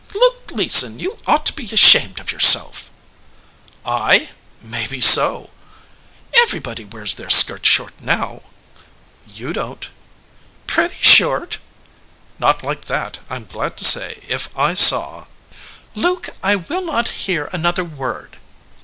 "Luke Gleason, you ought to be ashamed of yourself!" "I? Maybe so." "Everybody wears their skirts short now." "You don t" "Pretty short." "Not like that, Pm glad to say. If I saw " "Luke, I will not hear another word."